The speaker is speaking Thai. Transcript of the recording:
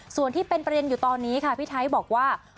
ส่วนที่เป็นประเด็นอยู่ตอนนี้ค่ะพี่ไทยบอกว่า